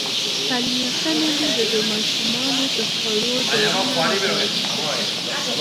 تعلیم یافته میندې د ماشومانو د خوړو ډولونه متوازن ساتي.